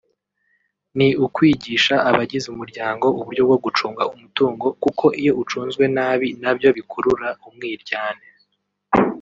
ni ukwigisha abagize umuryango uburyo bwo gucunga umutungo kuko iyo ucunzwe nabi na byo bikurura umwiryane